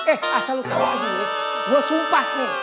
eh asal lo tau aja gue sumpah